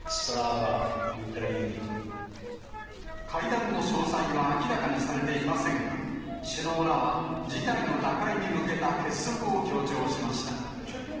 会談の詳細は明らかにされていませんが、首脳らは、事態の打開に向けた結束を強調しました。